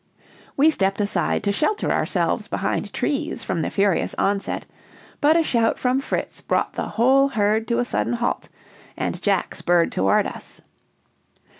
We stepped aside to shelter ourselves behind the trees from the furious onset; but a shout from Fritz brought the whole herd to a sudden halt, and Jack spurred toward us.